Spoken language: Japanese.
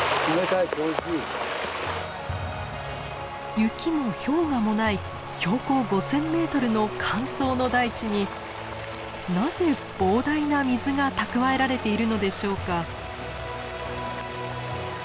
雪も氷河もない標高５，０００ｍの乾燥の大地になぜ膨大な水が蓄えられているのでしょうか？